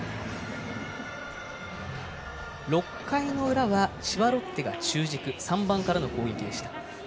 ６回の裏は千葉ロッテが中軸３番からの攻撃でした。